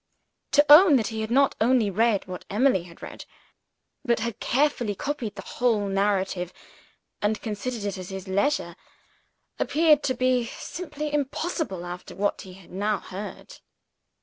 To own that he had not only read what Emily had read, but had carefully copied the whole narrative and considered it at his leisure, appeared to be simply impossible after what he had now heard.